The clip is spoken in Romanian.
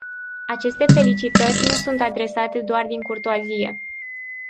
Aceste felicitări nu sunt adresate doar din curtoazie.